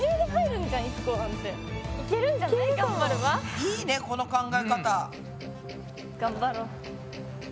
いいねこの考え方。